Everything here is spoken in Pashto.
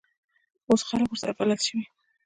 اوس خلک ورسره بلد شوي.